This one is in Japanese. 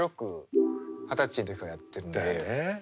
二十歳の時からやってるんで。